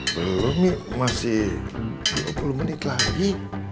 belum nih masih dua puluh menit lagi